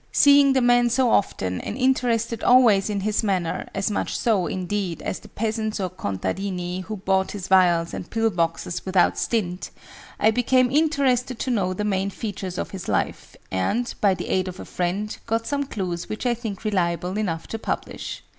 Seeing the man so often, and interested always in his manner as much so, indeed, as the peasants or contadini, who bought his vials and pillboxes without stint I became interested to know the main features of his life; and, by the aid of a friend, got some clues which I think reliable enough to publish.